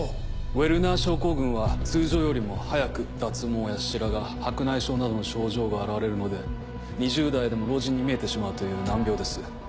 ウェルナー症候群は通常よりも早く脱毛や白髪白内障などの症状が現れるので２０代でも老人に見えてしまうという難病です。